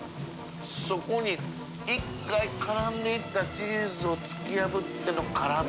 修海烹渦絡んでいったチーズを突き破っての辛み。